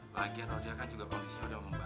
lagi aku tahu dia kan juga kondisinya udah mau baik